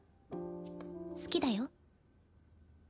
好きだよ。